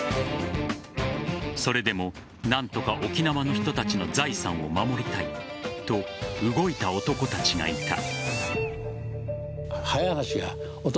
それでも何とか沖縄の人たちの財産を守りたいと動いた男たちがいた。